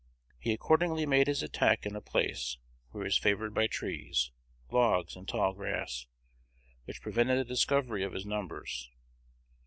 He accordingly made his attack in a place where he was favored by trees, logs, and tall grass, which prevented the discovery of his numbers.